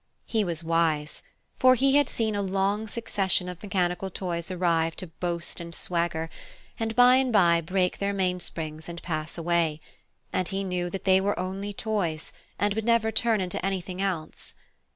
He was wise, for he had seen a long succession of mechanical toys arrive to boast and swagger, and by and by break their mainsprings and pass away, and he knew that they were only toys, and would never turn into anything else.